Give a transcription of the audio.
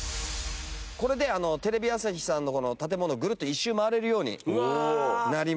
これでテレビ朝日さんの建物グルッと１周回れるようになりました。